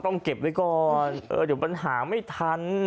ต้องเก็บเลยก่อนเดี๋ยวปัญหาไม่ทัน